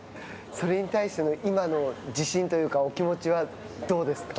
それに対しての今の自信というか、お気持ちはどうですか。